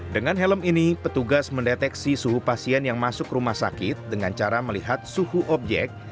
dengan helm ini petugas mendeteksi suhu pasien yang masuk rumah sakit dengan cara melihat suhu objek